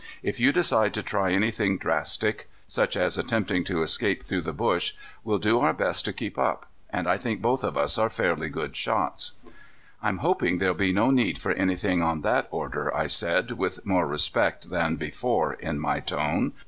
If you decide to try anything drastic, such as attempting to escape through the bush, we'll do our best to keep up. And I think both of us are fairly good shots." "I'm hoping there'll be no need for anything on that order," I said with more respect than before in my tone.